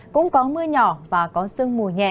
cũng có mưa nhỏ và có sương mùi nhẹ